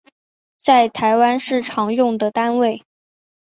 在台湾是常用的单位